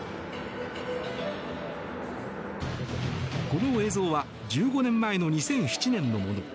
この映像は１５年前の２００７年のもの。